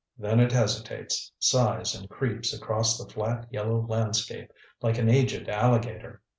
Then it hesitates, sighs and creeps across the fiat yellow landscape like an aged alligator.